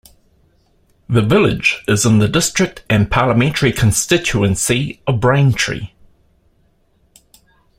The village is in the district and parliamentary constituency of Braintree.